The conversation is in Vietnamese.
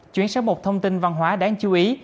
chuyển sang một thông tin văn hóa đáng chú ý